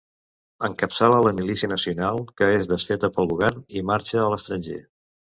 Encapçala la milícia nacional, que és desfeta pel govern, i marxa a l'estranger.